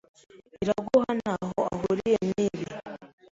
Iraguha ntaho ahuriye nibi.